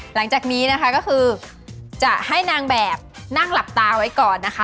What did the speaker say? หลังจากนี้นะคะก็คือจะให้นางแบบนั่งหลับตาไว้ก่อนนะคะ